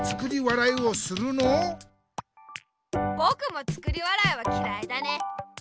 ぼくも作り笑いはきらいだね。